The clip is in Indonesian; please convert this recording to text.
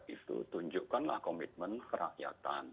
itu tunjukkanlah komitmen kerakyatan